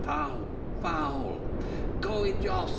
"Foul! Foul!" "Go it, Jos!